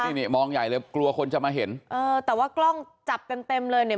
นี่นี่มองใหญ่เลยกลัวคนจะมาเห็นเออแต่ว่ากล้องจับเต็มเต็มเลยเนี่ย